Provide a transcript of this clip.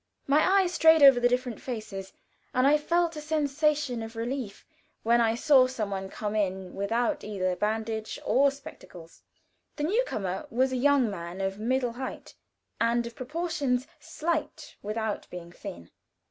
My eye strayed over the different faces, and I felt a sensation of relief when I saw some one come in without either bandage or spectacles. The new comer was a young man of middle height, and of proportions slight without being thin.